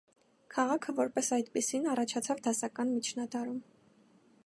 Քաղաքը, որպես այդպիսին, առաջացավ դասական միջնադարում։